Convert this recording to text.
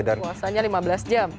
puasanya lima belas jam